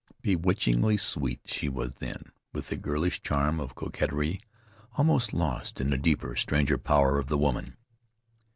Bewitchingly sweet she was then, with the girlish charm of coquetry almost lost in the deeper, stranger power of the woman.